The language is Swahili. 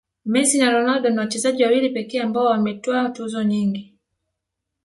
messi na ronaldo ni wachezaji wawili pekee ambao wametwaa tuzo nyingi